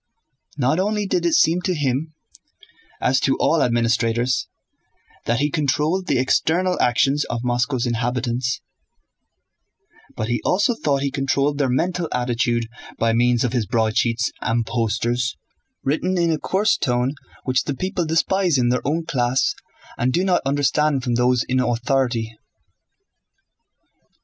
Not only did it seem to him (as to all administrators) that he controlled the external actions of Moscow's inhabitants, but he also thought he controlled their mental attitude by means of his broadsheets and posters, written in a coarse tone which the people despise in their own class and do not understand from those in authority.